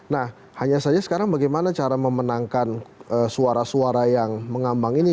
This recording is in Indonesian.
nah hanya saja sekarang bagaimana cara memenangkan suara suara yang mengambang ini